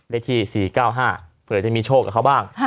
เลขที่๔๙๕เผื่อจะมีโชคกับเขาบ้าง